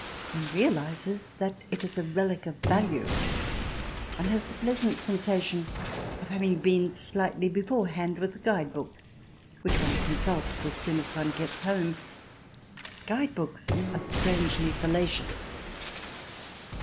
One realizes that it is a relic of value ; one has the pleasant sensation of having been slightly beforehand with the guide book which one consults as soon as one gets home. Guide books are strangely fallacious.